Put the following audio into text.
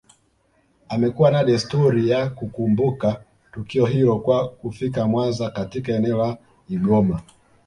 amekuwa na desturi ya kukumbuka tukio hilo kwa kufika Mwanza katika eneo la Igoma